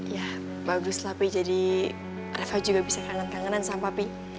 ya bagus lah pi jadi reva juga bisa kangen kangenan sama papi